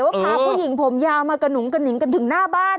พาผู้หญิงผมยาวมากระหนุงกระหิงกันถึงหน้าบ้าน